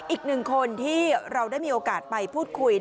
อีกหนึ่งคนที่เราได้มีโอกาสไปพูดคุย